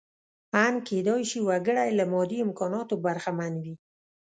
ان کېدای شي وګړی له مادي امکاناتو برخمن وي.